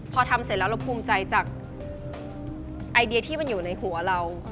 พอทำเสร็จแล้วเราภูมิใจจากไอเดียที่มันอยู่ในหัวเรา